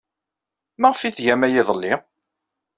Maɣef ay tgam aya iḍelli?